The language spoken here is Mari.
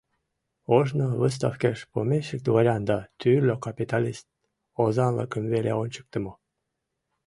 Ожно выставкеш помещик-дворян да тӱрлӧ капиталист озанлыкым веле ончыктымо.